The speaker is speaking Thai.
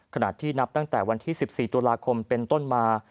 ขณะที่นับตั้งแต่วันที่๑๔ตุลาคมเป็นต้นมา